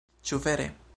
Ĉu vere?"